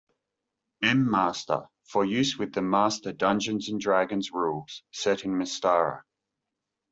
M-Master for use with the Master "Dungeons and Dragons" rules, set in Mystara.